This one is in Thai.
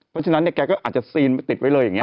เพราะฉะนั้นเนี่ยแกก็อาจจะซีนติดไว้เลยอย่างนี้